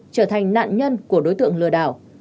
trở thành nạn nhân của đối tượng lừa đảo